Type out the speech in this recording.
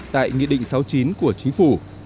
tại nghị định sáu mươi chín của chính phủ